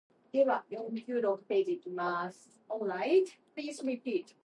Granulomas form in the infected tissue and undergo necrosis in the centre.